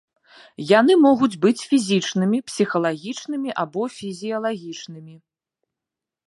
Яны могуць быць фізічнымі, псіхалагічнымі або фізіялагічнымі.